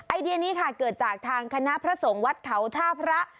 ไอเดียนี้ค่ะเกิดจากทางคณะพระสงฆ์วัดเขาท่าพระ